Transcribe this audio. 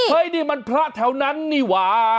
เฮ้ยนี่มันพระแถวนั้นนี่หว่า